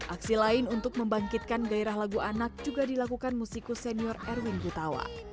aksi lain untuk membangkitkan gairah lagu anak juga dilakukan musikus senior erwin gutawa